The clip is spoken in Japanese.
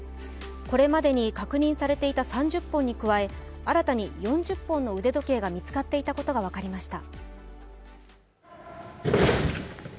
これまでに確認されていた３０本に加え新たに４０本の腕時計が見つかっていたことが分かりました。